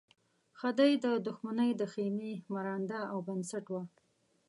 خدۍ د دښمنۍ د خېمې مرانده او بنسټ وه.